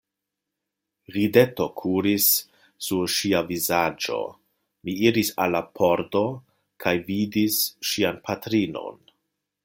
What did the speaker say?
Rideto kuris sur ŝia vizaĝo, mi iris al la pordo kaj vidis ŝian patrinon.